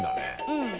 うん。